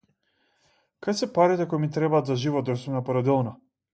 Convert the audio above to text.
Кај се парите кои ми требаат за живот дур сум на породилно.